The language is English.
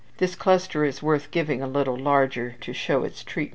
This cluster is worth giving a little larger to show its treatment.